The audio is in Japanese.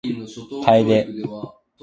楓